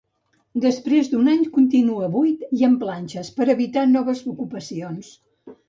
Després d'un any, continua buit i amb planxes, per evitar noves ocupacions.